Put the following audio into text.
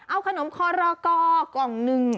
เอาขนมคอลโลกอล์กล่องหนึ่ง